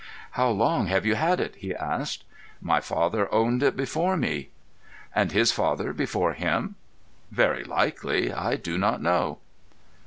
"How long have you had it?" he asked. "My father owned it before me." "And his father before him?" "Very likely. I do not know."